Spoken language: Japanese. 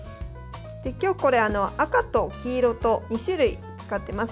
今日、赤と黄色と２種類使ってます。